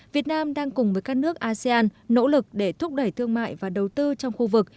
việt nam đang cùng với các nước asean nỗ lực để thúc đẩy thương mại và đầu tư trong khu vực